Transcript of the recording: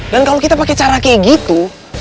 dan kalo kita pake cara kayak gitu